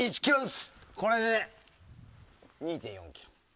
これで２．４ｋｇ。